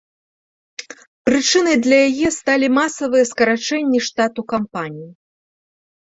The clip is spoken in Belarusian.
Прычынай для яе сталі масавыя скарачэнні штату кампаніі.